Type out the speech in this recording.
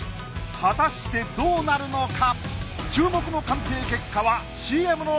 果たしてどうなるのか！？